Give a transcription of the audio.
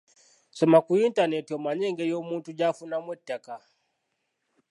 Soma ku yintaneeti omanye engeri omuntu gy’afunamu ettaka.